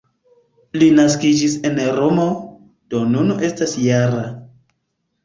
Li naskiĝis en Romo, do nun estas -jara.